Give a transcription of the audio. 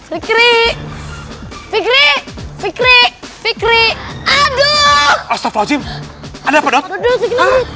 bikri bikri bikri bikri aduh astagfirullah alaikum ada